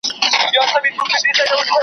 یاغي بنده یم د خلوت زولنې چېرته منم .